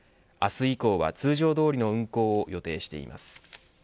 明日以降は通常どおりの運航を予定しています。